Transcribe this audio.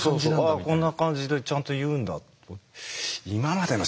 こんな感じでちゃんと言うんだと。